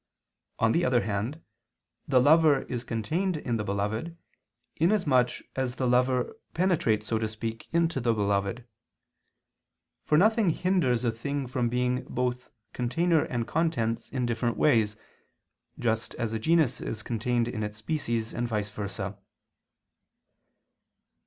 On the other hand, the lover is contained in the beloved, inasmuch as the lover penetrates, so to speak, into the beloved. For nothing hinders a thing from being both container and contents in different ways: just as a genus is contained in its species, and vice versa.